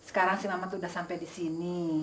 sekarang si mamat udah sampe disini